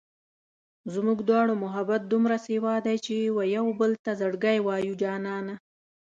زموږ دواړو محبت دومره سېوا دی چې و يوبل ته زړګی وایو جانانه